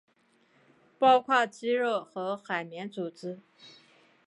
包括肌肉和海绵组织。